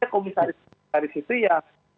komisaris komisaris suti yang